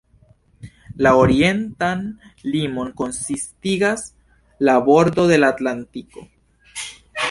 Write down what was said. La orientan limon konsistigas la bordo de la Atlantiko.